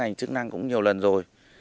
chính quyền địa phương cũng nhiều lần rồi